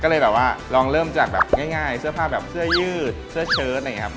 ก็เลยแบบว่าลองเริ่มจากแบบง่ายเสื้อผ้าแบบเสื้อยืดเสื้อเชิดอะไรอย่างนี้ครับ